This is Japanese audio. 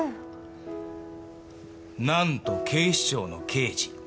なんと警視庁の刑事。